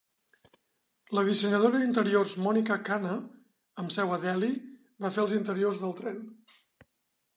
La dissenyadora d'interiors Monica Khanna, amb seu a Delhi, va fer els interiors del tren.